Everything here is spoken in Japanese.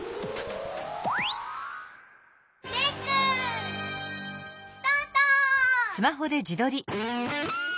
レックスタート！